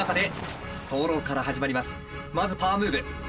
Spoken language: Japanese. まずパワームーブ。